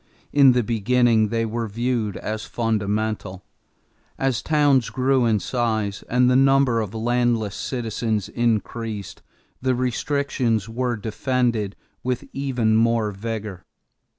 In the beginning they were viewed as fundamental. As towns grew in size and the number of landless citizens increased, the restrictions were defended with even more vigor.